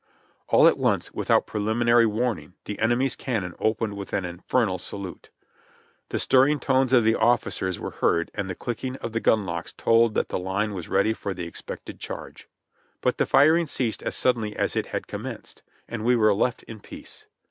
All at once, without preliminary warning, the enemy's cannon opened with an infernal salute. The stirring tones of the officers were heard, and the clicking of the gun locks told that the line was ready for the expected charge. But the firing ceased as suddenly as it had commenced, and we were left in peace.